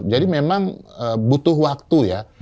jadi memang butuh waktu ya